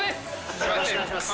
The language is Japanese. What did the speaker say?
よろしくお願いします。